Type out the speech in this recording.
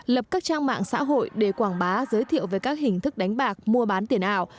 lập các trang mạng xã hội để quảng bá giới thiệu về các hình thức đánh bạc mua bán tiền ảo